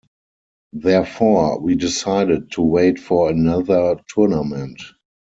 Therefore, we decided to wait for another tournament.